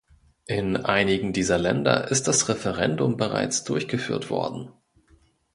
In einigen dieser Länder ist das Referendum bereits durchgeführt worden.